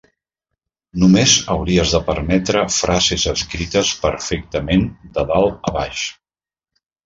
Només hauries de permetre frases escrites perfectament de dalt a baix.